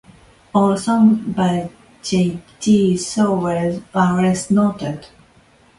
All songs by J. G. Thirlwell unless noted.